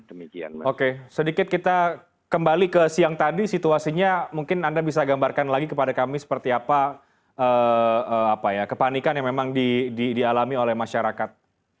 oke sedikit kita kembali ke siang tadi situasinya mungkin anda bisa gambarkan lagi kepada kami seperti apa kepanikan yang memang dialami oleh masyarakat